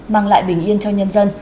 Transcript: mang lại bình yên cho nhân dân